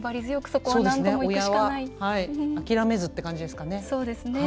親は、諦めずって感じですかね。